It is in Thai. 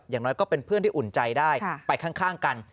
อย่างน้อยก็เป็นเพื่อนที่อุ่นใจได้ไปข้างกัน